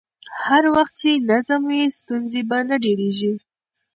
هر وخت چې نظم وي، ستونزې به نه ډېرېږي.